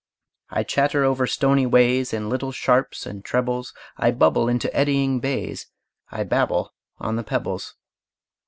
I chatter over stony ways, In little sharps and trebles, I bubble into eddying bays, I babble on the pebbles.